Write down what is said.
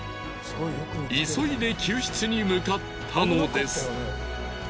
急いで救出に向かったのです。